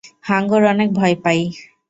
হাঙ্গর অনেক ভয় পাই!